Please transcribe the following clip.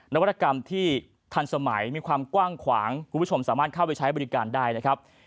นวัตกรรมที่ทันสมัยมีความกว้างขวางคุณผู้ชมสามารถเข้าไปใช้บริการได้นะครับ